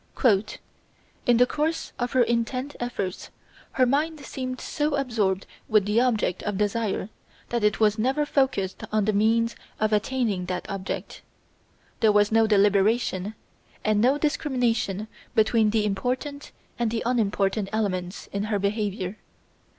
"In the course of her intent efforts her mind seemed so absorbed with the object of desire that it was never focussed on the means of attaining that object. There was no deliberation, and no discrimination between the important and the unimportant elements in her behaviour.